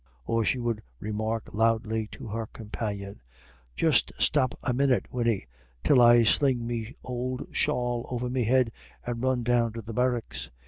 Or she would remark loudly to her companion: "Just stop a minyit, Winnie, till I sling me ould shawl over me head, and run down to the barracks.